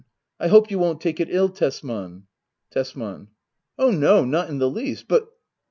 I hope you won't take it ill, Tesman. Tesman. Oh no, not in the least ! But